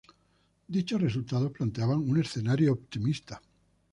Dichos resultados planteaban un escenario optimista.